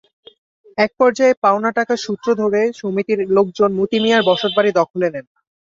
একপর্যায়ে পাওনা টাকার সূত্র ধরে সমিতির লোকজন মতি মিয়ার বসতবাড়ি দখলে নেন।